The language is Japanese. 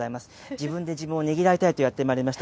自分で自分をねぎらいたいとやってまいりました。